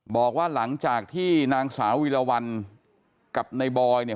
บอกว่าหลังจากที่นางสาววีรวรรณกับในบอยเนี่ย